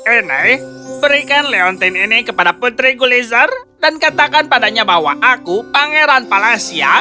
ini berikan leontin ini kepada putri gulizer dan katakan padanya bahwa aku pangeran palasia